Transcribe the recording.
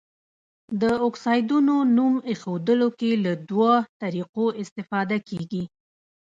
د اکسایډونو نوم ایښودلو کې له دوه طریقو استفاده کیږي.